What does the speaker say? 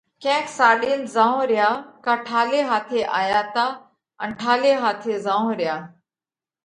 ڪينڪ ساڏينَ زائونه ريا ڪا ٺالي هاٿي آيا تا ان ٺالي هاٿي زائونه ريا؟